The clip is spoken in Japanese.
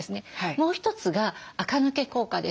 もう一つがあか抜け効果です。